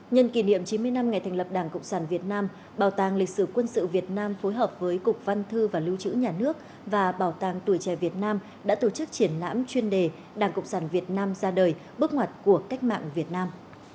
nhân kỷ niệm chín mươi năm ngày thành lập đảng cộng sản việt nam bảo tàng lịch sử quân sự việt nam phối hợp với cục văn thư và lưu trữ nhà nước và bảo tàng tuổi trẻ việt nam đã tổ chức triển lãm chuyên đề đảng cộng sản việt nam ra đời bước ngoặt của cách mạng việt nam